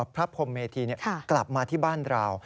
พระพรมเมธีกลับมาที่บ้านเรา